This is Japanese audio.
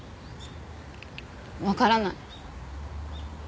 わからない。